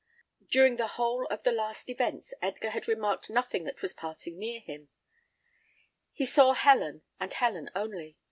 During the whole of the last events Edgar had remarked nothing that was passing near him. He saw Helen, and Helen only.